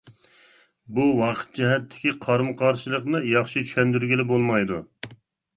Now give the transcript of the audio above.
بۇ ۋاقىت جەھەتتىكى قارمۇ-قارشىلىقنى ياخشى چۈشەندۈرگىلى بولمايدۇ.